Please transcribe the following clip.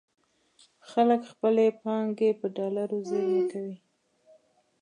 خلک خپلې پانګې په ډالرو زېرمه کوي.